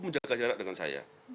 menjaga jarak dengan saya